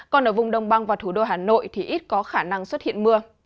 còn ở vùng đồng bằng và thủ đô hà nội thì ít có khả năng xuất hiện mưa